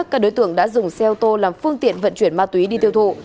các đối tượng đã dùng xe ô tô làm phương tiện vận chuyển ma túy đi tiêu thụ